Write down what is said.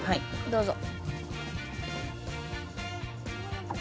どうぞ。